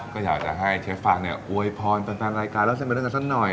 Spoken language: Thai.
ก็อยากจะให้เชฟฟังเนี่ยอวยพรแฟนรายการเล่าเส้นเป็นเรื่องกันสักหน่อย